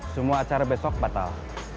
semua acara besok batal